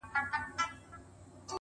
مرور سهار به خامخا ستنېږي,